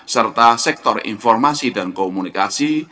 serta sektor informasi dan komunikasi